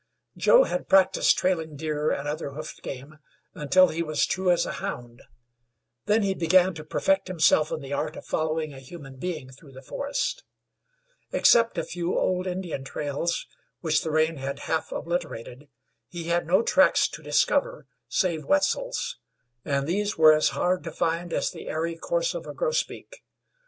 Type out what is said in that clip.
Joe had practiced trailing deer and other hoofed game, until he was true as a hound. Then he began to perfect himself in the art of following a human being through the forest. Except a few old Indian trails, which the rain had half obliterated, he had no tracks to discover save Wetzel's, and these were as hard to find as the airy course of a grosbeak.